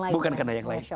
bukan karena yang lain